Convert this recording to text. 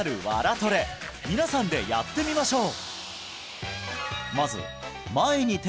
トレ皆さんでやってみましょう！